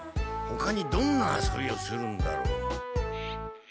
ほかにどんな遊びをするんだろう？